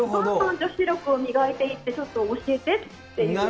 女子力を磨いていって、ちょっと教えてっていう。